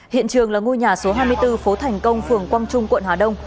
hiện trường là ngôi nhà số hai mươi bốn phố thành công phường quang trung quận hà đông